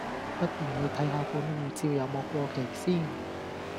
不如你睇下本護照有冇過期先